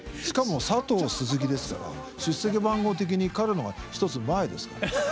しかも佐藤鈴木ですから出席番号的に彼の方が１つ前ですから。